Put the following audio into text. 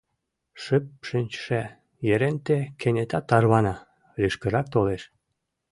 Шып шинчыше Еренте кенета тарвана, лишкырак толеш.